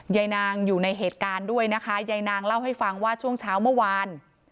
ยายนางอยู่ในเหตุการณ์ด้วยนะคะยายนางเล่าให้ฟังว่าช่วงเช้าเมื่อวาน